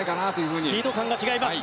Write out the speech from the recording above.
スピード感が違います。